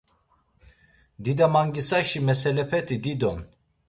Didamangisaşi meselepeti dido’n.